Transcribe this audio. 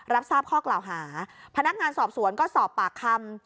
รับทราบข้อกล่าวหาพนักงานสอบสวนก็สอบปากคำ